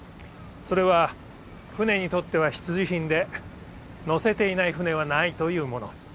それは船にとっては必需品でのせていない船はないというもの